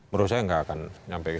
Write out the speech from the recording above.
menurut saya tidak akan sampai ke situ